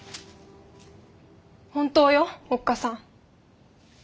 本当よおっ母さん。